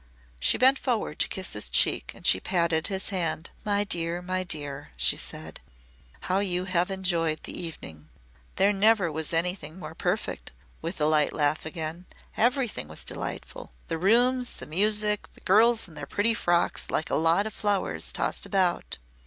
She bent forward to kiss his cheek and she patted his hand. "My dear! My dear!" she said. "How you have enjoyed your evening!" "There never was anything more perfect," with the light laugh again. "Everything was delightful the rooms, the music, the girls in their pretty frocks like a lot of flowers tossed about.